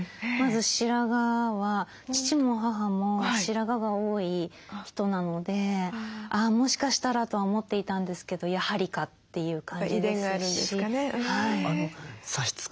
まず白髪は父も母も白髪が多い人なのであもしかしたらとは思っていたんですけどやはりかっていう感じですし。